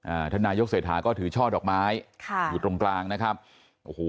ท่านนายกเศรษฐาก็ถือช่อดอกไม้ค่ะอยู่ตรงกลางนะครับโอ้โห